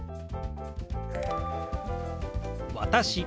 「私」。